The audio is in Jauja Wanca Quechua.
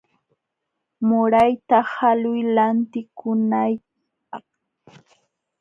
Murayta haluy lantikunaykipaq.